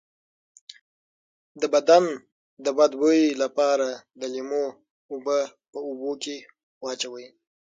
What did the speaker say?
د بدن د بد بوی لپاره د لیمو اوبه په اوبو کې واچوئ